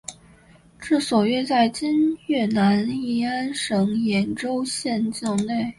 治所约在今越南乂安省演州县境内。